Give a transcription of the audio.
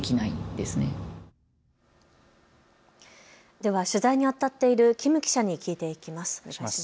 では取材にあたっている金記者に聞いていきます。